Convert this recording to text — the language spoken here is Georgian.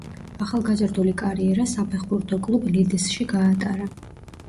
ახალგაზრდული კარიერა საფეხბურთო კლუბ „ლიდზში“ გაატარა.